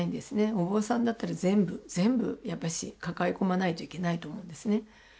お坊さんだったら全部全部やっぱし抱え込まないといけないと思うんですね。